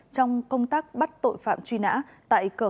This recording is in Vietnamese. trong công tác bắt tội phạm truy nã tại cờ khẩu tén tần huyện mười